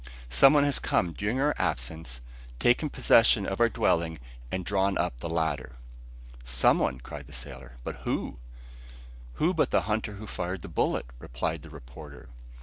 Some one has come during our absence, taken possession of our dwelling and drawn up the ladder." "Some one," cried the sailor. "But who?" "Who but the hunter who fired the bullet?" replied the reporter.